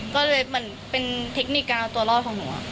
ก็เลยเป็นเทคนิคการเอาตัวเล่าของหนู